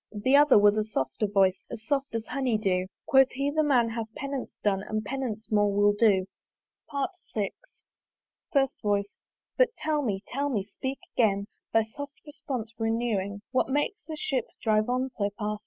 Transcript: The other was a softer voice, As soft as honey dew: Quoth he the man hath penance done, And penance more will do. VI. FIRST VOICE. "But tell me, tell me! speak again, "Thy soft response renewing "What makes that ship drive on so fast?